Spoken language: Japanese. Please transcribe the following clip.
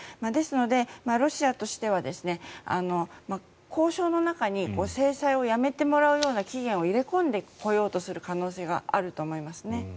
ですので、ロシアとしては交渉の中に制裁をやめてもらうような期限を入れ込んでくる可能性があると思いますね。